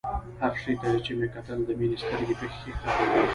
هر شي ته چې مې کتل د مينې سترګې پکښې ښکارېدې.